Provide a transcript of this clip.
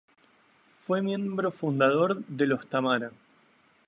Fue miembro fundador de Los Tamara.